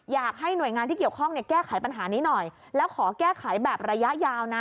อยากให้หน่วยงานที่เกี่ยวข้องเนี่ยแก้ไขปัญหานี้หน่อยแล้วขอแก้ไขแบบระยะยาวนะ